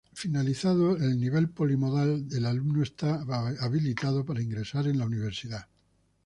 Finalizado el nivel polimodal, el alumno estaba habilitado para ingresar a la Universidad.